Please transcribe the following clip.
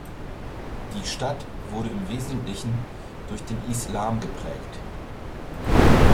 Die Stadt wurde im Wesentlichen durch den Islam geprägt.